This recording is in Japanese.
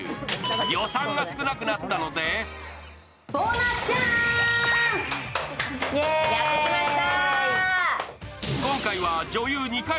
予算が少なくなったのでやってきました！